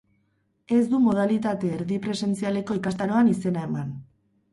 Ez du modalitate erdi-presentzialeko ikastaroan izena eman.